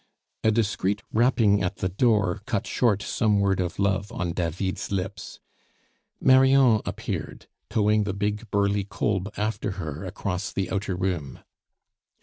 A discreet rapping at the door cut short some word of love on David's lips. Marion appeared, towing the big, burly Kolb after her across the outer room.